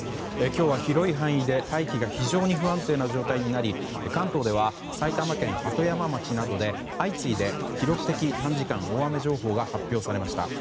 今日は、広い範囲で大気が非常に不安定な状態になり関東では、埼玉県鳩山町などで相次いで記録的短時間大雨情報が発表されました。